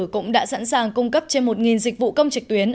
cũng đã sẵn sàng cung cấp trên một dịch vụ công trực tuyến